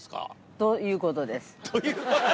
ということです？